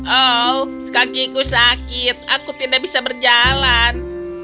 oh kakiku sakit aku tidak bisa berjalan